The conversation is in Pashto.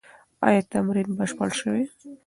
ایا تمرین بشپړ سوی؟